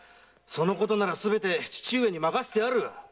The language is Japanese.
そのことならすべて父上に任せてある！